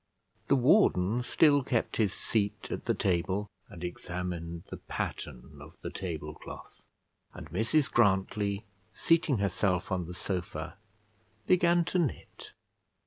The warden still kept his seat at the table, and examined the pattern of the tablecloth; and Mrs Grantly, seating herself on the sofa, began to knit.